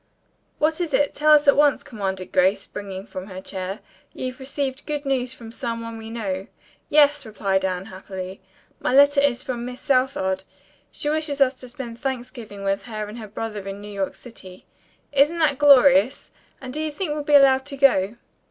"What is it? Tell us at once," commanded Grace, springing from her chair. "You've received good news from some one we know." "Yes," replied Anne happily. "My letter is from Miss Southard. She wishes us to spend Thanksgiving with her and her brother in New York City. Isn't that glorious, and do you think we'll be allowed to go?"